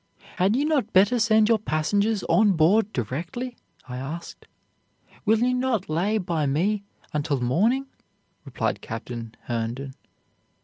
'Had you not better send your passengers on board directly?' I asked. 'Will you not lay by me until morning?' replied Captain Herndon.